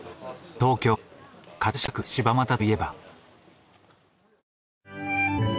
東京・飾区柴又といえば。